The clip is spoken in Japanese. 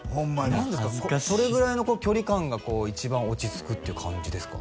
それぐらいの距離感が一番落ち着くって感じですか？